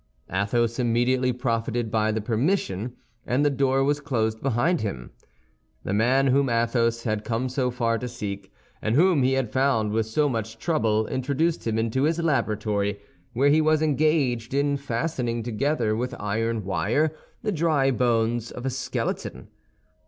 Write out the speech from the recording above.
Athos immediately profited by the permission, and the door was closed behind him. The man whom Athos had come so far to seek, and whom he had found with so much trouble, introduced him into his laboratory, where he was engaged in fastening together with iron wire the dry bones of a skeleton.